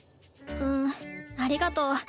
うんありがとう。